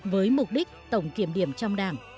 với mục đích tổng kiểm điểm trong đảng